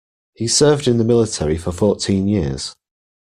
He served in the military for fourteen years.